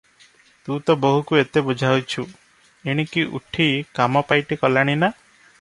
ତୁ ତ ବୋହୂକୁ ଏତେ ବୁଝାଉଛୁ, ଏଣିକି ଉଠି କାମ ପାଇଟି କଲାଣି ନା?"